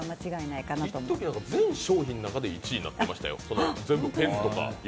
いっとき、全商品の中の１位になっていましたよ。